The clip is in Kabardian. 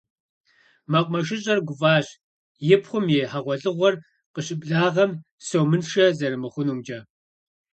МэкъумэшыщӀэр гуфӀащ, и пхъум и хьэгъуэлӀыгъуэр къыщыблагъэм сомыншэ зэрымыхъунумкӀэ.